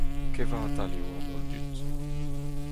Kevatal eo an holl dud.